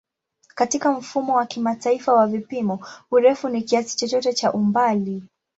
Katika Mfumo wa Kimataifa wa Vipimo, urefu ni kiasi chochote cha umbali.